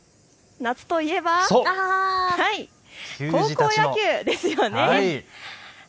夏といえば、高校野球ですよね。